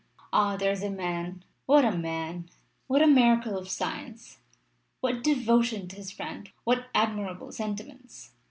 Ah! there is a man what a man! What a miracle of science! What devotion to his friend! What admirable sentiments!